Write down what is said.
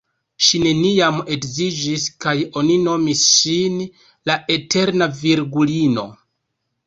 Ŝi neniam edziniĝis, kaj oni nomis ŝin "la Eterna Virgulino".